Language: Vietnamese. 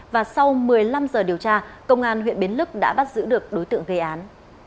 và sau một mươi năm giờ điều tra công an huyện bến lức đã bắt giữ được đối tượng gây án